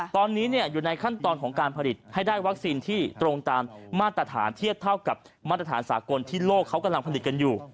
ตอนนี้อยู่ในขั้นตอนของการผลิตให้ได้วัคซีนที่ตรงตามมาตรฐานเทียบเท่ากับมาตรฐานสากลที่โลกเขากำลังผลิตกันอยู่